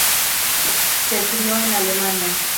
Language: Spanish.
Se crio en Alemania.